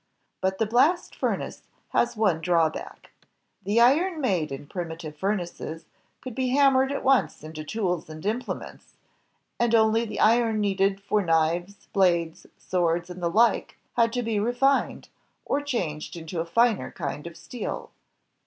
But the blast furnace has one drawback. The iron made in primitive furnaces l66 INVENTIONS OF MANUFACTURE AND PRODUCTION could be hammered at once into tools and implements, and only the iron needed for knife blades, swords, and the like had to be refined, or changed into a finer kind of steel.